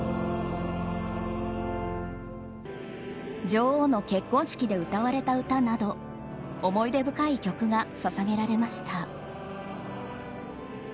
女王の結婚式で歌われた歌など思い出深い曲が捧げられました。